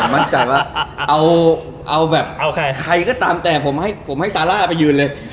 มันใจว่าใครก็ตามแต่ผมให้ซาร่าไปยืนเลย